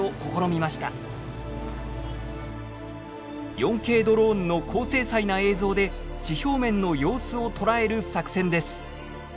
４Ｋドローンの高精細な映像で地表面の様子を捉える作戦です。